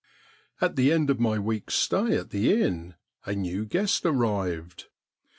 At the end of my week's stay at the inn a new guest arrived.